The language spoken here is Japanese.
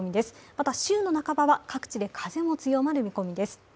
また、州の半ばは各地で風も強まる見込みです。